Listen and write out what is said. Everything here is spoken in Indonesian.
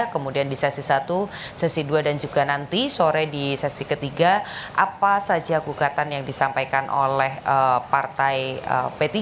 kemudian di sesi satu sesi dua dan juga nanti sore di sesi ketiga apa saja gugatan yang disampaikan oleh partai p tiga